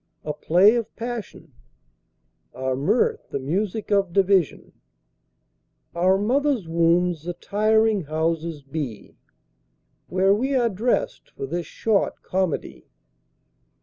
A play of passion, Our mirth the music of division, Our mother's wombs the tiring houses be, Where we are dressed for this short comedy.